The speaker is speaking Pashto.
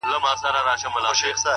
و خاوند لره پیدا یې ورک غمی سو,